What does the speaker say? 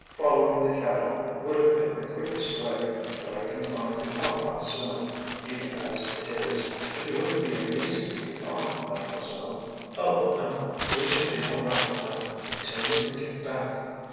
Following the cattle would have been the quickest way; but I can find the cowpath soon, even as it is. If you wouldn't be uneasy with me gone, Mademoiselle!" "Oh, no, we shall be all right now, till you can get back!"